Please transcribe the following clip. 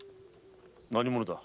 何者だ？